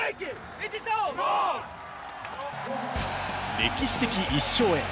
歴史的１勝へ。